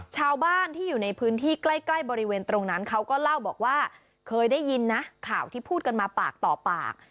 ชาวบ้านที่อยู่ในพื้นที่ใกล้ใกล้บริเวณตรงนั้นเขาก็เล่าบอกว่าเคยได้ยินนะข่าวที่พูดกันมาปากต่อปาก